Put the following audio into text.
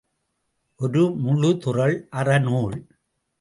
ஒரு முழுதுறழ் அறநூல்.